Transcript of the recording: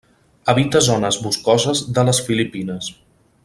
Habita zones boscoses de les Filipines.